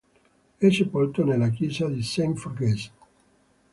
È sepolto nella chiesa di Saint-Forgeux.